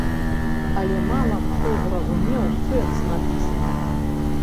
Але мала хто зразумеў сэнс напісанага.